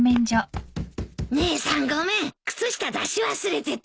姉さんごめん靴下出し忘れてた。